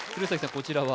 こちらは？